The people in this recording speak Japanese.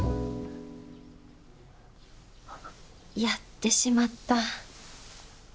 やってしまった。